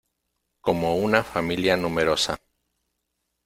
como una familia numerosa.